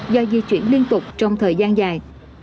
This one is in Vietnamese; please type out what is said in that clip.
do di chuyển liên tục trong thời gian dài